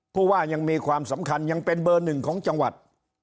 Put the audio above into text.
ผู้ว่ายังมีความสำคัญยังเป็นเบอร์หนึ่งของจังหวัด